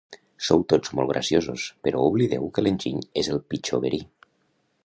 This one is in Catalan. Sou tots molt graciosos, però oblideu que l'enginy és el pitjor verí.